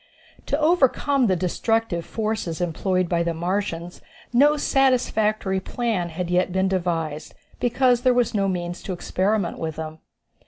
To overcome the destructive forces employed by the Martians no satisfactory plan had yet been devised, because there was no means to experiment with them.